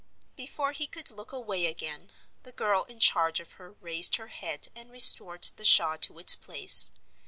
Before he could look away again, the girl in charge of her raised her head and restored the shawl to its place.